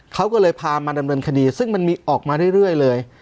เขาก็เลยพามาดำเนินคดีซึ่งมันมีออกมาเรื่อยเลย